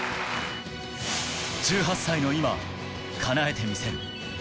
１８歳の今、叶えてみせる。